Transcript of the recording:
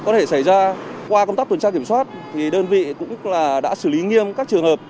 có thể xảy ra qua công tác tuần tra kiểm soát thì đơn vị cũng đã xử lý nghiêm các trường hợp